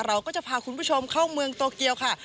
เราก็จะพาคุณผู้ชมเข้าเมืองโตเกียวค่ะ